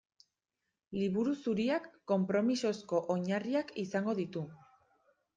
Liburu Zuriak konpromisozko oinarriak izango ditu.